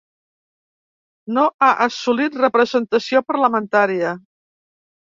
No ha assolit representació parlamentària.